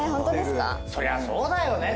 そりゃそうだよね。